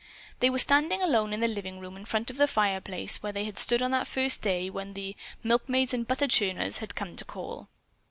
They were standing alone in the living room in front of the fireplace where they had stood on that first day when the "milkmaids and butter churners" had come to call.